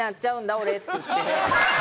俺って言って。